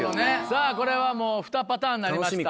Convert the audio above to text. さぁこれはもう２パターンなりました。